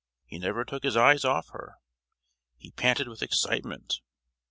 He never took his eyes off her, he panted with excitement.